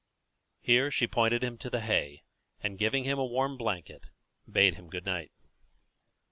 Here she pointed him to the hay, and, giving him a warm blanket, bade him good night.